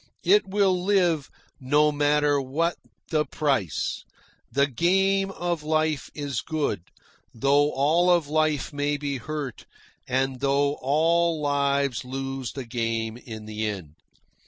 It will live, no matter what the price. The game of life is good, though all of life may be hurt, and though all lives lose the game in the end.